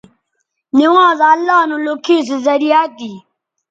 نوانز اللہ نو لوکھے سو زریعہ تھی